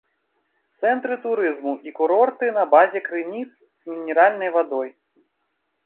Цэнтры турызму і курорты на базе крыніц з мінеральнай вадой.